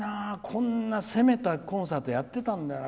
こんな攻めたコンサートやってたんだよな。